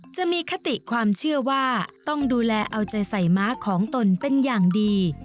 จะมีคติความเชื่อว่าต้องดูแลเอาใจใส่ม้าของตนเป็นอย่างดี